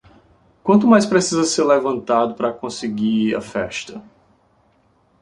Quanto mais precisa ser levantado para conseguir a festa?